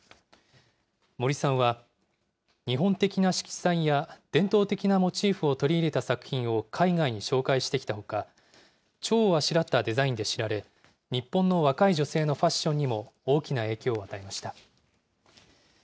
森さんは日本的な色彩や、伝統的なモチーフを取り入れた作品を海外に紹介してきたほか、ちょうをあしらったデザインで知られ、日本の若い女性のファッションにも大きな影響を与えました。